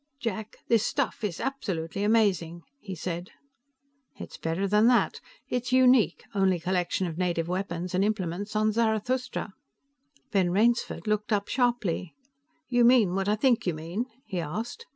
"Jack, this stuff is absolutely amazing," he said. "It's better than that. It's unique. Only collection of native weapons and implements on Zarathustra." Ben Rainsford looked up sharply. "You mean what I think you mean?" he asked.